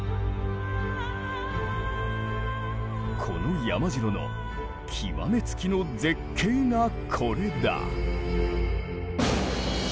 この山城の極め付きの絶景がこれだ。